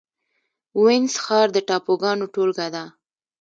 وینز ښار د ټاپوګانو ټولګه ده